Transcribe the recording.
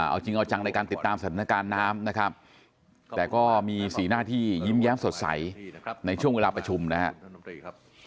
เอาจริงเอาจังในการติดตามสถานการณ์น้ำนะครับแต่ก็มีสีหน้าที่ยิ้มแย้มสดใสในช่วงเวลาประชุมนะครับ